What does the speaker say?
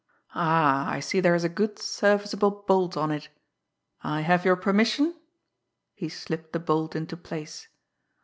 "Ah, I see there is a good serviceable bolt on it. I have your permission?" he slipped the bolt into place.